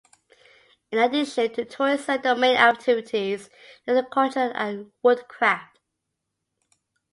In addition to tourism the main activities are agriculture and woodcraft.